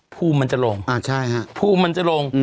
ภูมิมันจะลง